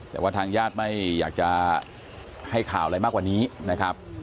แต่ว่าทางญาติไม่อยากจะให้ข่าวอะไรมากกว่านี้นะครับ